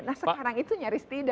nah sekarang itu nyaris tidak